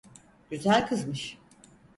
Güzel kızmış.